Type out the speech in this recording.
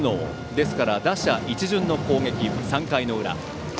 ですから、打者一巡の攻撃３回の裏。